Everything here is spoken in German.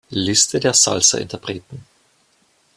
Liste der Salsa-Interpreten